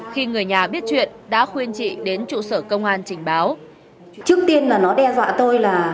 khi người nhà biết chuyện đã khuyên chị đến trụ sở công an trình báo